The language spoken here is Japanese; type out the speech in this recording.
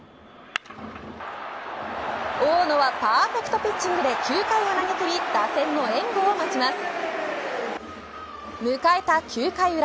大野はパーフェクトピッチングで９回を投げきり打線の援護を待ちます。